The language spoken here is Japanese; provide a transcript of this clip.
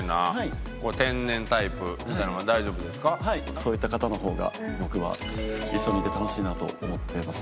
そういった方の方が僕は一緒にいて楽しいなと思ってます